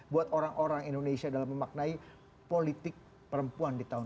buat orang orang indonesia dalam memaknai politik perempuan di tahun dua ribu dua puluh